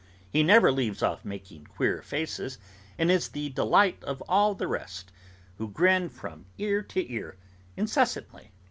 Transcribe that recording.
He never leaves off making queer faces, and is the delight of all the rest, who grin from ear to ear incessantly.